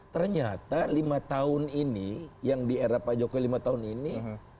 ternyata lima tahun ini yang di era pak jokowi lima tahun ini